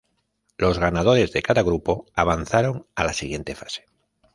Los ganadores de cada grupo avanzaron a la siguiente fase.